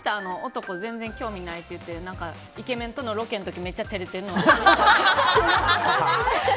男、全然興味ないって言ってイケメンとのロケの時めっちゃ照れてるの。